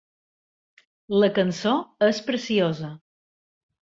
La cançó és preciosa.